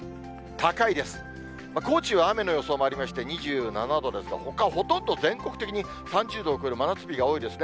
高知は雨の予想もありまして、２７度ですが、ほかほとんど全国的に３０度を超える真夏日が多いですね。